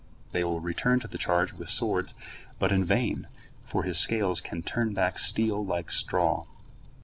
They will return to the charge with swords, but in vain, for his scales can turn back steel like straw.